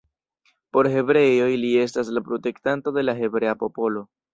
Por hebreoj li estas la protektanto de la hebrea popolo.